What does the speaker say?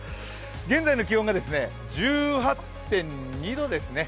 現在の気温が１８．２度ですね。